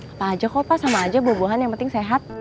apa aja kok pak sama aja buah buahan yang penting sehat